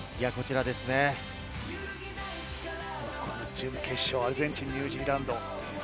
準決勝、アルゼンチン対ニュージーランド。